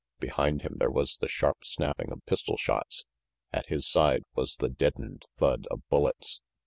Behind him there was the sharp snapping of pistol shots. At his side was the deadened thud of bullets.